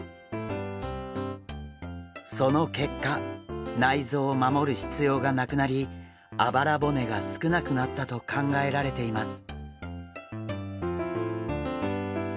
その結果内臓を守る必要がなくなりあばら骨が少なくなったと考えられています。